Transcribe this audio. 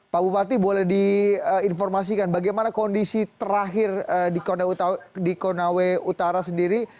pak bupati boleh diinformasikan bagaimana kondisi terakhir di konawe utara sendiri